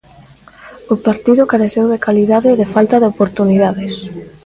O partido careceu de calidade e de falta de oportunidades.